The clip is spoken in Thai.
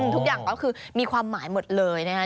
ทุกอย่างก็คือมีความหมายหมดเลยนะคะ